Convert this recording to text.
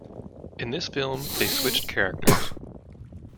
In this film, they switched characters.